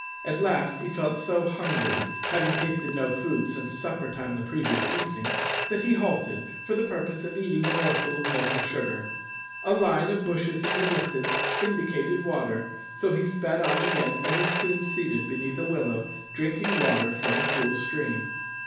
At last he felt so hungry, having tasted no food since supper time the previous evening, that he halted for the purpose of eating a morsel of maple sugar. A line of bushes in the distance indicated water, so he sped on again, and was soon seated beneath a willow, drinking water from the cool stream.